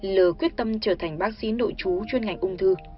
lờ quyết tâm trở thành bác sĩ nội chú chuyên ngành ung thư